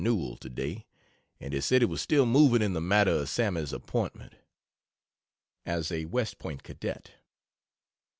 Newell today and he said he was still moving in the matter of Sammy's appointment [As a West Point cadet.